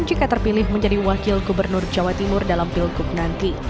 jika terpilih menjadi wakil gubernur jawa timur dalam pilgub nanti